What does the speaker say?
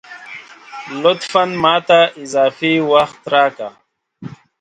لطفاً ! ماته اضافي وخت راکه